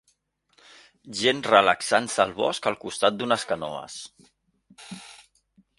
Gent relaxant-se al bosc al costat d'unes canoes.